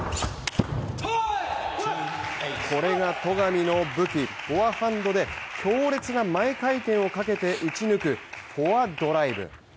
これが戸上の武器フォアハンドで強烈な前回転をかけて打ち抜くフォアドライブ。